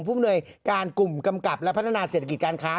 ภูมิหน่วยการกลุ่มกำกับและพัฒนาเศรษฐกิจการค้า